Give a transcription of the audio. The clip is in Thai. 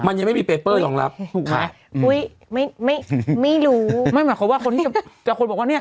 มันยังไม่มีค่ะอุ้ยไม่ไม่ไม่รู้ไม่หมายความว่าคนที่จะแต่คนบอกว่าเนี้ย